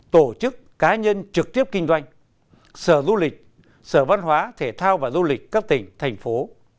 tổ chức cá nhân trực tiếp kinh doanh sở du lịch sở văn hóa thể thao và du lịch các tỉnh thành phố